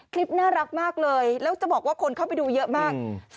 คลิปน่ารักมากเลยแล้วจะบอกว่าคนเข้าไปดูเยอะมาก